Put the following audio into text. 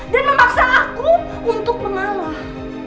dan memaksa aku untuk mengalah